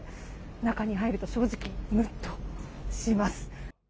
中に入ると正直むっとします。